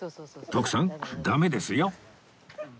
徳さんダメですよ！